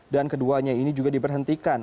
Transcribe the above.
dan keduanya ini juga diperhentikan